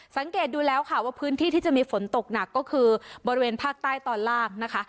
สังเกตดูแล้วค่ะว่าพื้นที่ที่จะมีฝนตกหนักก็คือบริเวณภาคใต้ตอนล่างนะคะ